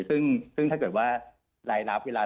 ซึ่งถ้าเกิดว่ารายรับเวลา